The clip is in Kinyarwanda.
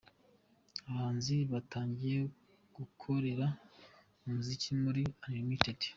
Abahanzi batangiye gukorera umuziki muri Unlimited.